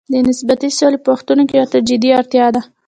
د نسبي سولې په وختونو کې ورته جدي اړتیا ده.